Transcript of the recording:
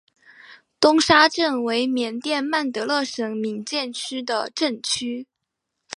东沙镇为缅甸曼德勒省敏建县的镇区。